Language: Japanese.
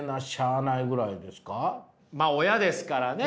まあ親ですからね。